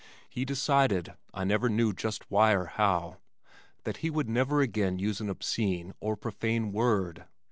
He decided (I never knew just why or how) that he would never again use an obscene or profane word.